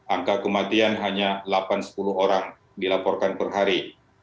angka kematian hanya delapan sepuluh orang dilaporkan per hari